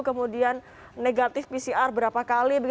kemudian negatif pcr berapa kali